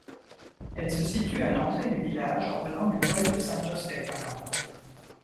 Elle se situe à l'entrée du village en venant du col de Santo Stefano.